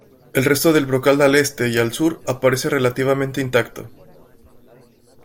El resto del brocal al este y al sur aparece relativamente intacto.